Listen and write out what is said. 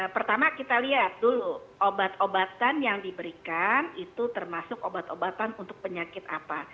pertama kita lihat dulu obat obatan yang diberikan itu termasuk obat obatan untuk penyakit apa